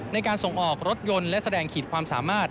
ในการส่งออกรถยนต์และแสดงขีดความสามารถ